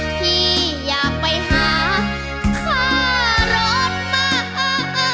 พี่อยากไปหาข้ารถมา